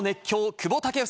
久保建英